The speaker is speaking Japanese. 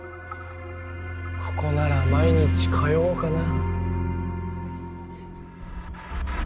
ここなら毎日通おうかな。